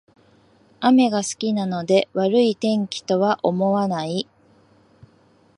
雨が好きなので悪い天気とは思わない